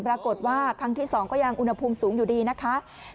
ปรากฏว่าครั้งที่๒ก็ยังอุณหภูมิสูงอยู่ดีนะคะ